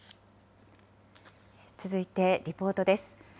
続いて、リポートです。